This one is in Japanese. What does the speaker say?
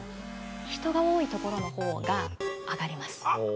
◆人が多いところのほうが上がります。